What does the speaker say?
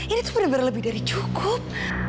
ini tuh bener bener lebih dari cukup